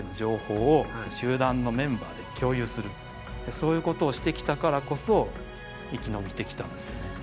そういうことをしてきたからこそ生き延びてきたんですよね。